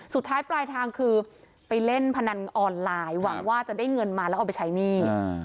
สุดท้ายปลายทางคือไปเล่นพนันออนไลน์หวังว่าจะได้เงินมาแล้วเอาไปใช้หนี้